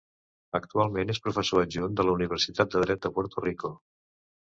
Actualment és professor adjunt de la Universitat de Dret de Puerto Rico.